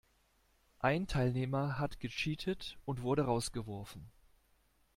Ein Teilnehmer hat gecheatet und wurde rausgeworfen.